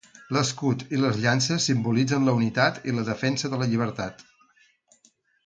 L'escut i les llances simbolitzen la unitat i la defensa de la llibertat.